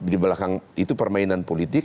di belakang itu permainan politik